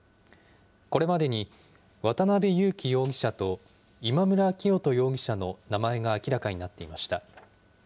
これまでに渡邉優樹容疑者と今村磨人容疑者の名前が明らかになっていました。